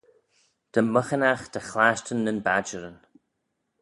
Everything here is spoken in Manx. Dy myghinagh dy chlashtyn nyn badjeryn.